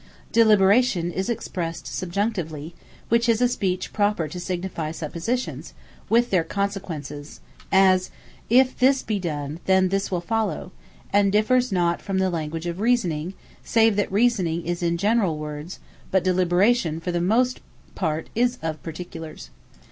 Deliberation is expressed Subjunctively; which is a speech proper to signifie suppositions, with their consequences; as, If This Be Done, Then This Will Follow; and differs not from the language of Reasoning, save that Reasoning is in generall words, but Deliberation for the most part is of Particulars.